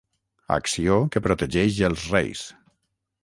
Acció que protegeix els reis.